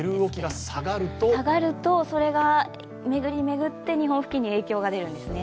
下がると、それが巡り巡って日本付近に影響が出るんですね。